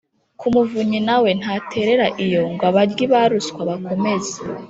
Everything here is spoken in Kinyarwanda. ku muvunyi, na we ntaterera iyo ngo abaryi ba ruswa bakomeze